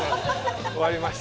終わりました。